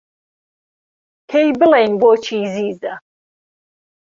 پێی بڵێن بۆچی زیزه